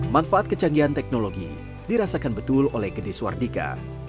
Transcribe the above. manfaat kecanggihan teknologi dirasakan betul oleh gede suardika